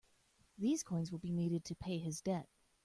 These coins will be needed to pay his debt.